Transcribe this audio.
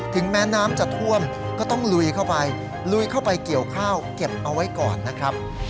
ถึงแม้น้ำจะท่วมก็ต้องลุยเข้าไปลุยเข้าไปเกี่ยวข้าวเก็บเอาไว้ก่อนนะครับ